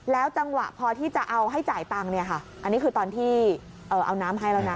จังหวะพอที่จะเอาให้จ่ายตังค์เนี่ยค่ะอันนี้คือตอนที่เอาน้ำให้แล้วนะ